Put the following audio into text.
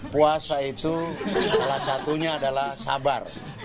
puasa itu salah satunya adalah sabar